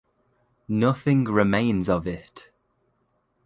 Nothing remains of it.